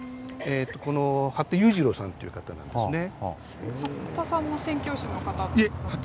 八田裕二郎さんという方なんですね。